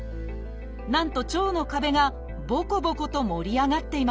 なんと腸の壁がボコボコと盛り上がっていました。